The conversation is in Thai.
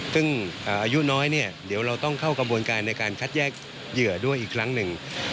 ซึ่งอายุน้อยเนี่ยเดี๋ยวเราต้องเข้ากระบวนการในการคัดแยกเหยื่อด้วยอีกครั้งหนึ่ง